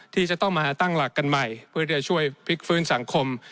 ที่จะต้องมาตั้งหลักกันใหม่เพื่อที่จะช่วยพลิกฟื้นสังคม